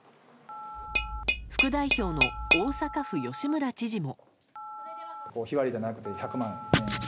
副代表の大阪府、吉村知事も。